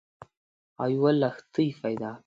او یوه لښتۍ پیدا کړه